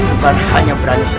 kau seperti yang kami muami